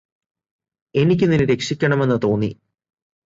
എനിക്ക് നിന്നെ രക്ഷിക്കണമെന്ന് തോന്നി